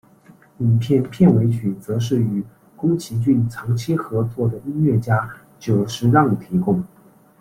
影片片尾曲则是与宫崎骏长期合作的音乐家久石让提供。